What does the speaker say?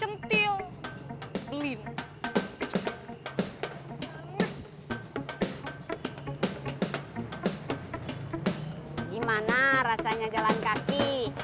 gimana rasanya jalan kaki